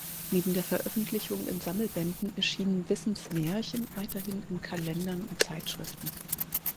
Neben der Veröffentlichung in Sammelbänden erschienen Wissens Märchen weiterhin in Kalendern und Zeitschriften.